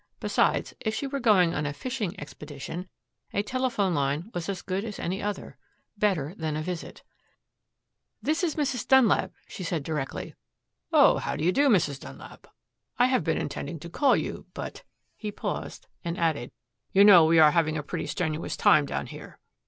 Besides, if she were going on a fishing expedition, a telephone line was as good as any other better than a visit. "This is Mrs. Dunlap," she said directly. "Oh, how do you do, Mrs. Dunlap. I have been intending to call you up, but," he paused, and added, "you know we are having a pretty strenuous time down here."